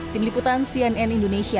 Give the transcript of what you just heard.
tim liputan cnn indonesia